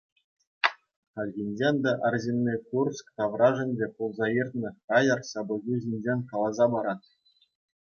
Хальхинче ӗнтӗ арҫынни Курск таврашӗнче пулса иртнӗ хаяр ҫапӑҫу ҫинчен каласа парать.